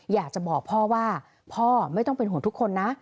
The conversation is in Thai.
อยากจะบอกพ่อว่าพ่อไม่ต้องเป็นห่วงทุกคนนะ